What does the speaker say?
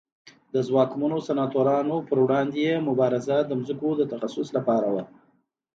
د ځواکمنو سناتورانو پر وړاندې یې مبارزه د ځمکو تخصیص لپاره وه